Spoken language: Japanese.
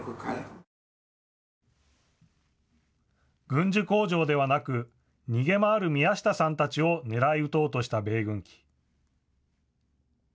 軍需工場ではなく逃げ回る宮下さんたちを狙い撃とうとした米軍機。